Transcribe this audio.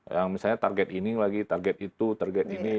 yang misalnya target ini lagi target itu target ini